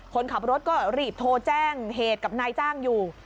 คนขับรถก็รีบโทรแจ้งเหตุกับนายจ้างอยู่